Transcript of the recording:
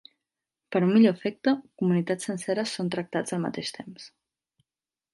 Per a un millor efecte, comunitats senceres són tractats al mateix temps.